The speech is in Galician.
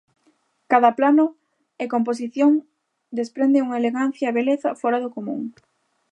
Cada plano e composición desprende unha elegancia e beleza fora do común.